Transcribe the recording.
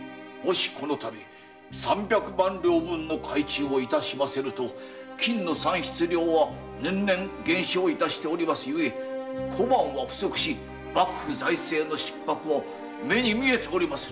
このたび三百万両分の改鋳をいたしませぬと金の産出量は年々減少しているため小判は不足し幕府財政の逼迫は目に見えております。